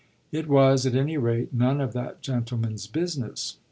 It was at any rate none of that gentleman's business.